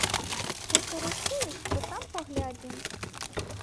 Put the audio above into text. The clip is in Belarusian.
Як арыштуюць, то там паглядзім.